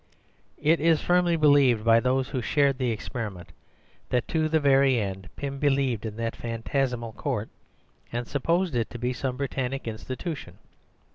It is firmly believed by those who shared the experiment, that to the very end Pym believed in that phantasmal court and supposed it to be some Britannic institution.